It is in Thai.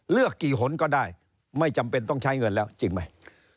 เลือกกี่หนก็ได้ไม่จำเป็นต้องใช้เงินแล้วจริงไหม